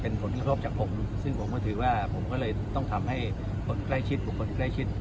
ผลกระทบจากผมซึ่งผมก็ถือว่าผมก็เลยต้องทำให้คนใกล้ชิดบุคคลใกล้ชิด